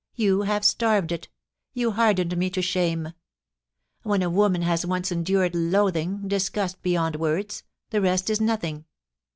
You have starved it You hardened me to shame. ... When a woman has once endured loathing — disgust beyond words — the rest is as nothing